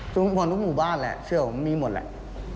ทุกคนทุกหมู่บ้านแหละเชื่อผมมีหมดแหละ